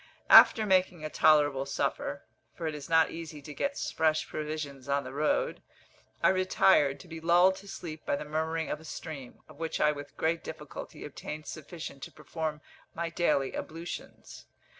After making a tolerable supper for it is not easy to get fresh provisions on the road I retired, to be lulled to sleep by the murmuring of a stream, of which I with great difficulty obtained sufficient to perform my daily ablutions.